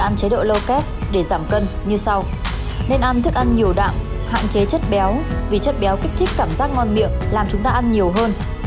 nên ăn thức ăn nhiều đặng hạn chế chất béo vì chất béo kích thích cảm giác ngon miệng làm chúng ta ăn nhiều hơn